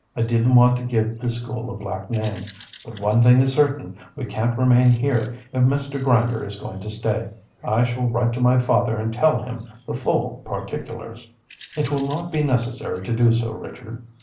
I didn't want to give the school a black name. But one thing is certain, we can't remain here if Mr. Grinder is going to stay. I shall write to my father and tell him the full particulars." "It will not be necessary to do so, Richard."